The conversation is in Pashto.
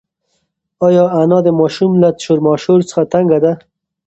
ایا انا د ماشوم له شور ماشور څخه تنگه ده؟